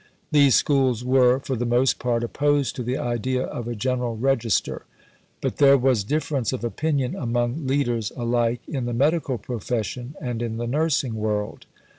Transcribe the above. These Schools were for the most part opposed to the idea of a General Register; but there was difference of opinion among leaders alike in the medical profession and in the nursing world.